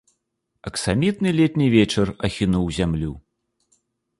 Аксамітны летні вечар ахінуў зямлю.